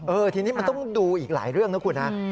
ทีนี้มันต้องดูอีกหลายเรื่องนะคุณฮะ